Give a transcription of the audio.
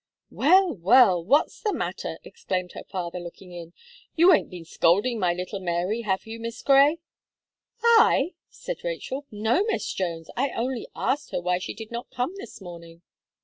"Well, well, what's the matter?" exclaimed her father looking in, "you ain't been scolding my little Mary have you. Miss Gray?" "I!" said Rachel, "no, Mr. Jones, I only asked her why she did not come this morning?"